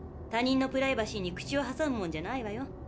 他人のプライバシーに口をはさむもんじゃないわよ。